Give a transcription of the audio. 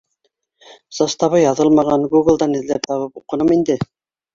Составы яҙылмаған, гуглдан эҙләп табып уҡыным инде.